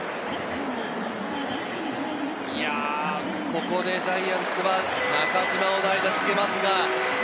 ここでジャイアンツは中島、代打を告げます。